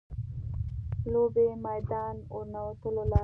لوبې میدان ورننوتو لاره ده.